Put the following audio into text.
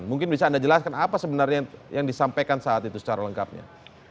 mungkin bisa anda jelaskan apa sebenarnya yang disampaikan saat itu secara lengkapnya